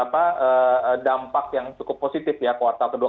jadi dampak yang cukup positif ya kuartal kedua